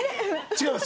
違います。